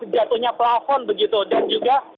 jatuhnya plafon begitu dan juga